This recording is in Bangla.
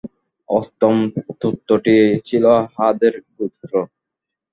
অষ্টম গোত্রটি ছিল হাদ-এর গোত্র।